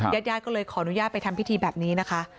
ยัดยัดก็เลยขอนุญาตไปทำพิธีแบบนี้นะคะ